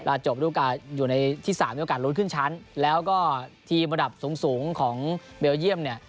เราจบที่๓มีโอกาสลดขึ้นชั้นแล้วก็ทีมระดับสูงของเบลเยี่ยมเนี่ย